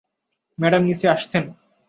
Madam নিচে আসছেন।